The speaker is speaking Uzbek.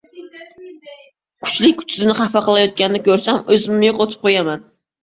Kuchli kuchsizni xafa qilayotganini ko‘rsam, o‘zimni yo‘qotib qo‘yaman”.